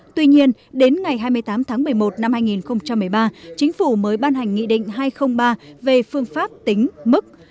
tuy nhiên đến ngày hai mươi tám tháng một mươi một năm hai nghìn một mươi ba chính phủ mới ban hành nghị định hai trăm linh ba về phương pháp tính mức